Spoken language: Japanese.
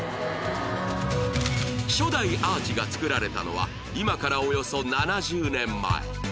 初代アーチが造られたのは今からおよそ７０年前